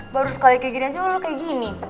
baru sekali kayak ginian sih lo kayak gini